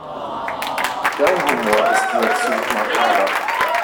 Dein Humor ist mir zu makaber.